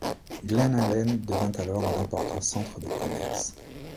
Glennallen devint alors un important centre de commerce.